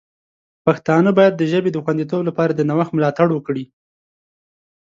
پښتانه باید د ژبې د خوندیتوب لپاره د نوښت ملاتړ وکړي.